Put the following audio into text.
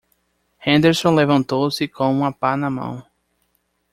Henderson levantou-se com uma pá na mão.